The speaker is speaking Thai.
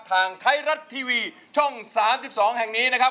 ทางไทยรัฐทีวีช่อง๓๒แห่งนี้นะครับ